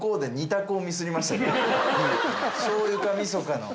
しょうゆかみそかの。